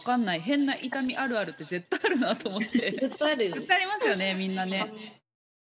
絶対ありますよねみんなね。